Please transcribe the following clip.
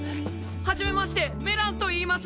はじめましてメランといいます！